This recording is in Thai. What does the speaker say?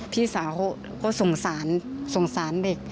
พี่สาวก็สงสารเด็ก